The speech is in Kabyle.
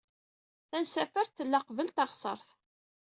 Tansafart tella qbel taɣsart.